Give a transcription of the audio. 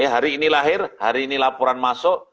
hari ini lahir hari ini laporan masuk